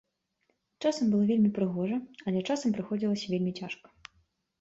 Часам было вельмі прыгожа, але часам прыходзілася вельмі цяжка.